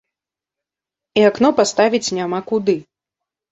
І акно паставіць няма куды.